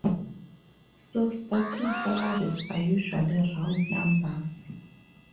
So starting salaries are usually round numbers.